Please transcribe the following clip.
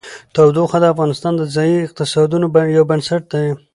تودوخه د افغانستان د ځایي اقتصادونو یو بنسټ دی.